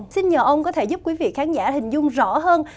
xin nhờ ông có thể giúp quý vị khán giả hình dung rõ hơn